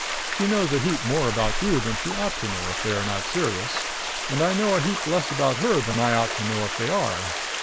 She knows a heap more about you than she ought to know if they're not serious, and I know a heap less about her than I ought to know if they are.